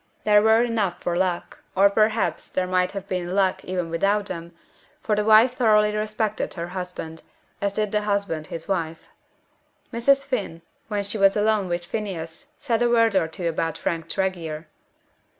There were enough for luck, or perhaps there might have been luck even without them, for the wife thoroughly respected her husband, as did the husband his wife. Mrs. Finn, when she was alone with Phineas, said a word or two about Frank Tregear.